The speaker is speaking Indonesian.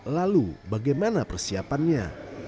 lalu bagaimana persiapannya